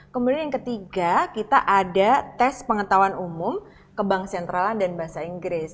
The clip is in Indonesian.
kemudian yang ketiga kita ada tes pengetahuan umum ke bank sentralan dan bahasa inggris